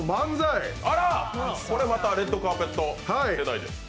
これまたレッドカーペット世代ですね。